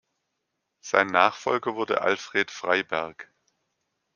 Sein Nachfolger wurde Alfred Freyberg.